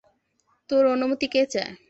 তোর অনুমতি কে চায়?